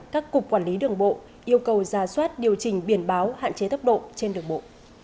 các cục quản lý đường bộ yêu cầu ra soát điều chỉnh biển báo hạn chế tốc độ trên đường bộ